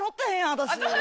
私。